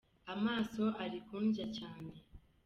Amaso ari kundya cyane.